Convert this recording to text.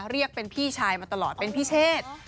เรียกเป็นพี่ชายมาตลอดเป็นพิเศษ